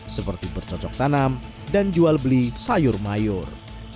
seperti bercocok tanam dan jual beli sayur mayur